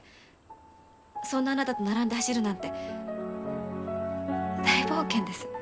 そんなあなたと並んで走るなんて大冒険です。